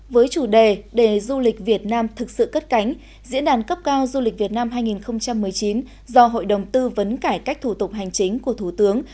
với chủ đề để du lịch việt nam thực sự cất cánh diễn đàn cấp cao du lịch việt nam hai nghìn một mươi chín do hội đồng tư vấn cải cách thủ tục hành chính của thủ tướng